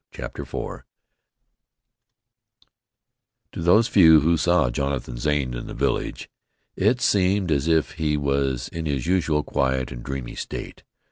CHAPTER IV To those few who saw Jonathan Zane in the village, it seemed as if he was in his usual quiet and dreamy state.